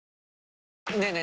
ねえねえ